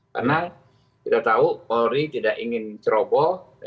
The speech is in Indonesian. karena kita tahu polri tidak ingin ceroboh